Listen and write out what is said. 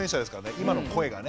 今の声がね。